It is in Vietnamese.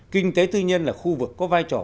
kinh tế tư nhân là khu vực có vai trò